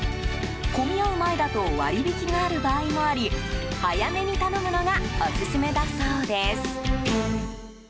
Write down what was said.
混み合う前だと割り引きがある場合もあり早めに頼むのがオススメだそうです。